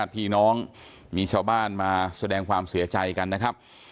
พี่น้องมีชาวบ้านมาแสดงความเสียใจกันนะครับ